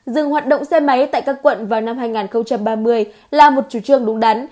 dừng hoạt động xe máy tại các quận vào năm hai nghìn ba mươi là một chủ trương đúng đắn